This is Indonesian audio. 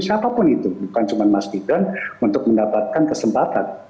siapapun itu bukan cuma mas gibran untuk mendapatkan kesempatan